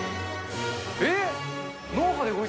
えっ？